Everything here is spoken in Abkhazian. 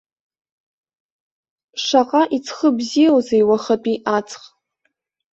Шаҟа иҵхы бзиоузеи уахатәи аҵх!